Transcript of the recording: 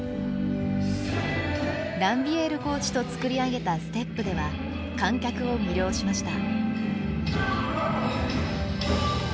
ランビエールコーチと作り上げたステップでは観客を魅了しました。